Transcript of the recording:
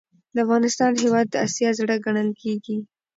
دافغانستان هیواد د اسیا زړه ګڼل کیږي.